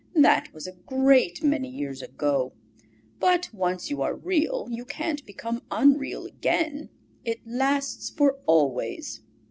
"That was a great many years ago; but once you are Real you can't become unreal again. It lasts for always."